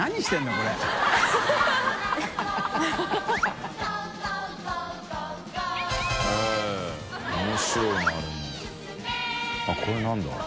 これ何だ？